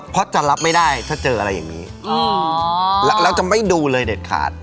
เพราะจะรับไม่ได้ถ้าเจออะไรอย่างนี้แล้วจะไม่ดูเลยเด็ดขาด